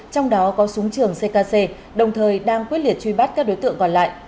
trong đó có súng trường ckc đồng thời đang quyết liệt truy bắt các đối tượng còn lại